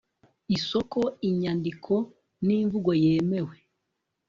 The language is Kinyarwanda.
isoko inyandiko nimvugo yemewe